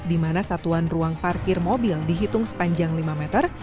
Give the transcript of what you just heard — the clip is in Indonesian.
di mana satuan ruang parkir mobil dihitung sepanjang lima meter